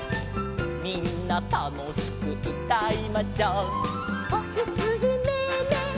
「みんなたのしくうたいましょ」「こひつじメエメエ